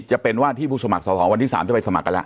จะเป็นว่าที่ผู้สมัครสอบวันที่๓จะไปสมัครกันแล้ว